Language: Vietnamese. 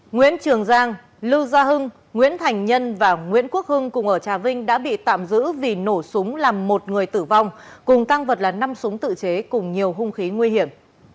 nguyễn trường giang lưu gia hưng nguyễn thành nhân và nguyễn quốc hưng cùng ở trà vinh đã bị tạm giữ vì nổ súng làm một người tử vong cùng tăng vật là năm súng tự chế cùng nhiều hung khí nguy hiểm